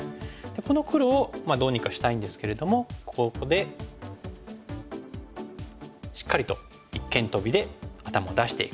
この黒をどうにかしたいんですけれどもここでしっかりと一間トビで頭を出していく。